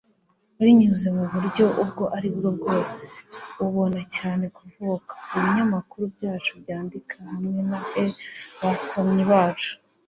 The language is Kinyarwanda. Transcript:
binyuze muburyo ubwo aribwo bwose ubona cyane kuvuka. kubinyamakuru byacu byandika hamwe na e-basomyi bacu